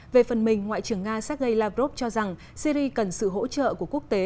về phần mình ngoại trưởng nga sergei lavrov cho rằng syri cần sự hỗ trợ của quốc tế